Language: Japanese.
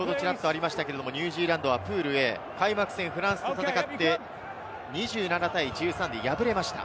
ニュージーランドはプールＡ、開幕戦、フランスと戦って２７対１３で敗れました。